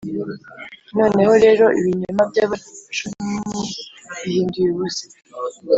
noneho rero, ibinyoma by’abacunnyi mbihinduye ubusa,